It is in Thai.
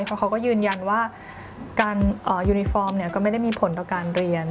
เพราะเขาก็ยืนยันว่าการยูนิฟอร์มก็ไม่ได้มีผลต่อการเรียน